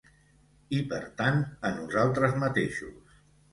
I, per tant, a nosaltres mateixos.